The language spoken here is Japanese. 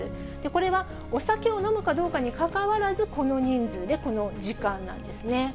これはお酒を飲むかどうかにかかわらず、この人数でこの時間なんですね。